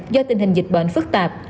do tình hình dịch bệnh phức tạp